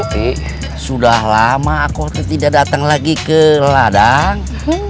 tapi sudah lama aku tidak datang lagi ke ladang